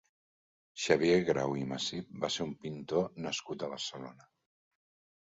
Xavier Grau i Masip va ser un pintor nascut a Barcelona.